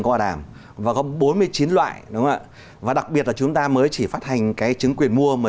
có bảo đảm và có bốn mươi chín loại đúng không ạ và đặc biệt là chúng ta mới chỉ phát hành cái chứng quyền mua mà